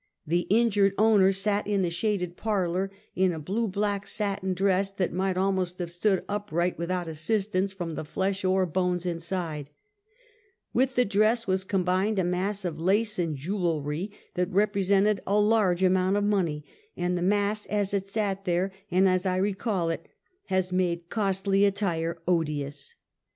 The injured owner sat in the shaded parlor, in a blue black satin dress, that might almost have stood upright without assistance from the flesh or bones in side; with the dress was combined a mass of lace and jewelry that represented a large amount of money, and the mass as it sat there, and as I recall it, has made costly attire odious.